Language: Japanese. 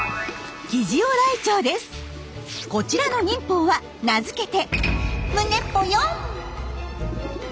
こちらの忍法は名付けて「胸ポヨン」！